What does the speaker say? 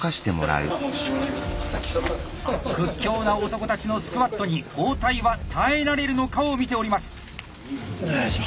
屈強な男たちのスクワットに包帯は耐えられるのかを見ております。